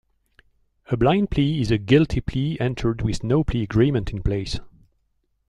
A "blind plea" is a guilty plea entered with no plea agreement in place.